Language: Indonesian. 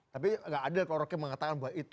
tapi nggak adil kalau rocky mengatakan bahwa itu